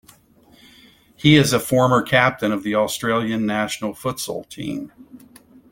He is a former captain of the Australian national futsal team.